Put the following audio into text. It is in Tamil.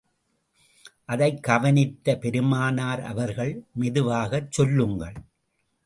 அதைக் கவனித்த பெருமானார் அவர்கள், மெதுவாகச் சொல்லுங்கள்.